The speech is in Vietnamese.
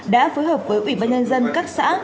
đã phối hợp với ủy ban nhân dân các xã